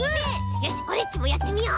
よしオレっちもやってみようっと。